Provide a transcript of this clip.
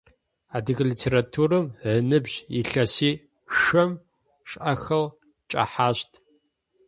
Адыгэ литературэм ыныбжь илъэсишъэм шӏэхэу кӏэхьащт.